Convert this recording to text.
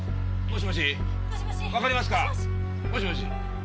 もしもし！？